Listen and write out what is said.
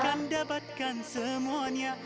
aku kan dapatkan semuanya